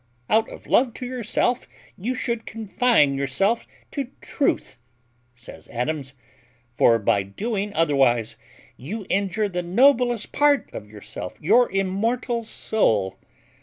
"Out of love to yourself, you should confine yourself to truth," says Adams, "for by doing otherwise you injure the noblest part of yourself, your immortal soul.